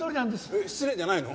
えっ失礼じゃないの？